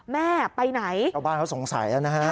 แม่ไปไหนบ้านเขาสงสัยนะครับ